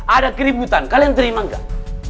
ada keributan kalian terima gak